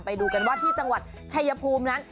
ไปดูกันว่าที่จังหวัดชายภูมินั้น